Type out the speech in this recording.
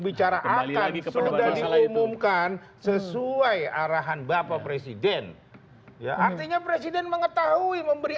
bicara lagi kembali umumkan sesuai arahan bapak presiden ya artinya presiden mengetahui memberi